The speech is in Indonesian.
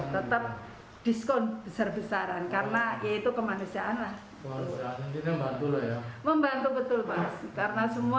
tetap diskon besar besaran karena ya itu kemanusiaan lah